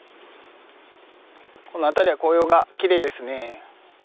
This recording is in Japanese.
この辺りは紅葉がきれいですね。